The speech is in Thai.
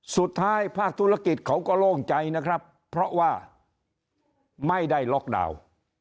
ภาคธุรกิจเขาก็โล่งใจนะครับเพราะว่าไม่ได้ล็อกดาวน์